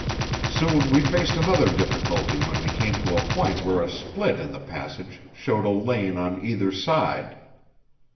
Soon we faced another difficulty when we came to a point where a split in the passage showed a lane on either side.